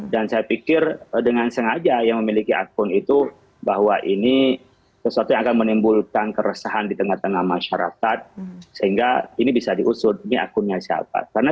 dan saya pikir dengan sengaja yang memiliki akun itu bahwa ini sesuatu yang akan menimbulkan keresahan di tengah tengah masyarakat sehingga ini bisa diusut ini akunnya siapa